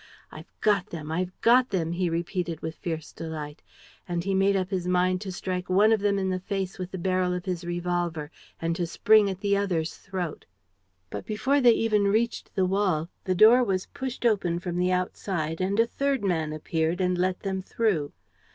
"I've got them, I've got them!" he repeated, with fierce delight. And he made up his mind to strike one of them in the face with the barrel of his revolver and to spring at the other's throat. But, before they even reached the wall, the door was pushed open from the outside and a third man appeared and let them through.